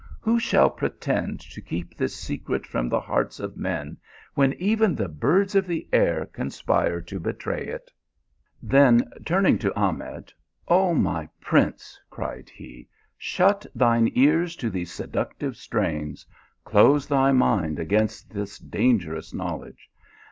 " Who shall pretend to keep this secret from the hearts of men when even the birds of the air conspire to betray it ?" Then turning to Ahmed, " Oh my prince," cried he, " shut thine ears to these seductive strains. Close thy mind against this dangerous knowledge.